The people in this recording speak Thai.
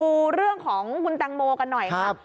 ดูเรื่องของคุณแตงโมกันหน่อยครับ